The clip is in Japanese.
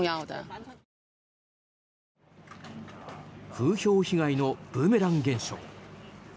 風評被害のブーメラン現象。